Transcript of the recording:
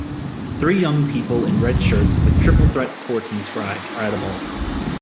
Three young people in red shirts with Triple Threat Sports inscribed are at a ballgame